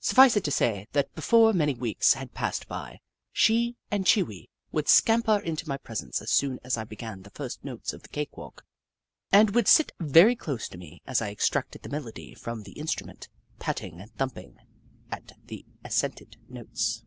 Suffice it to say i\.a.t L..fore many weeks had passed by, she and Chee Wee would scamper into my presence as soon as I began the first notes of the cake walk, and would sit very close to me as I extracted the melody from the instrument, patting and thumping at the ac cented notes.